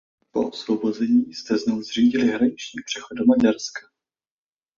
Po osvobození zde znovu zřídili hraniční přechod do Maďarska.